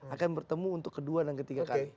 akan bertemu untuk kedua dan ketiga kali